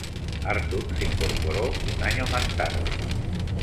Arthur se incorporó un año más tarde.